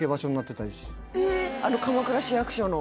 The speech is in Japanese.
あの鎌倉市役所の？